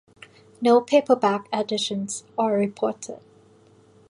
No paperback editions are reported.